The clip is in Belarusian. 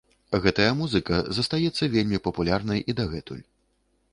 Гэтая музыка застаецца вельмі папулярнай і дагэтуль.